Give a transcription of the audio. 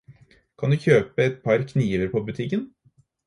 Kan du kjøpe et par kniver på butikken?